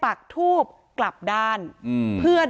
การแก้เคล็ดบางอย่างแค่นั้นเอง